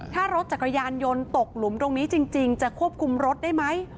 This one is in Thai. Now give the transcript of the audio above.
ถ้ารถจักรยานยนต์ตกหลุมตรงนี้จริงจะควบคุมรถได้ไหม